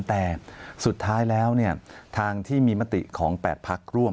แต่สุดท้ายแล้วทางที่มีมติของ๘ภาคร่วม